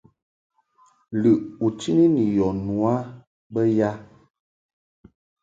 Lɨʼ u chini ni yɔ nu a bə ya ?